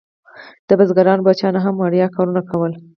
د بزګرانو بچیانو هم وړیا کارونه کول.